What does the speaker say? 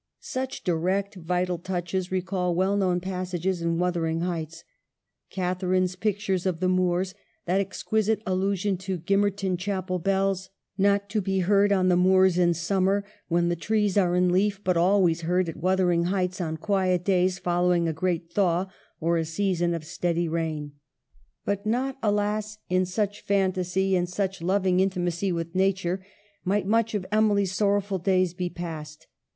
Such direct, vital touches recall well known passages in ' Wuthering Heights :' Catharine's pictures of the moors ; that exquisite allusion to Gimmerton Chapel bells, not to be heard on the moors in summer when the trees are in leaf, but always heard at Wuthering Heights on quiet days following a great thaw or a season of steady rain. But not, alas ! in such fantasy, in such loving 180 EMILY BRONTE. intimacy with nature, might much of Emily's sorrowful days be passed.